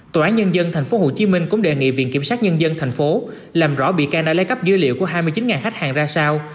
tòa án nhân dân tp hcm cũng đề nghị viện kiểm sát nhân dân tp hcm làm rõ bị can đã lấy cắp dữ liệu của hai mươi chín khách hàng ra sao